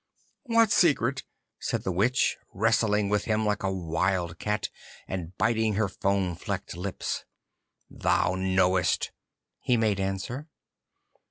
'What secret?' said the Witch, wrestling with him like a wild cat, and biting her foam flecked lips. 'Thou knowest,' he made answer.